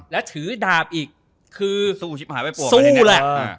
และถือดาบอีกคือสู้แหละ